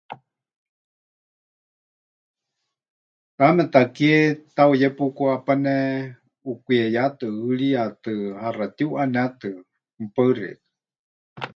Taame takie tahuyé pukuhapane ʼukwieyátɨ, ʼuhɨriyatɨ, ʼaxa tiuʼanétɨ. Mɨpaɨ xeikɨ́a.